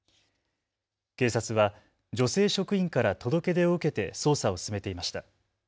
警察は女性職員から届け出を受けて捜査を進めていました。